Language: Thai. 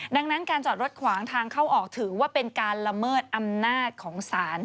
ดังนั้นการจอดรถขวางทางเข้าออกถือว่าเป็นการละเมิดอำนาจของศาล